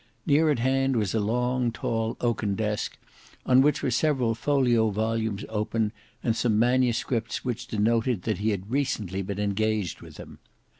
Near at hand was a long tall oaken desk, on which were several folio volumes open, and some manuscripts which denoted that he had recently been engaged with them.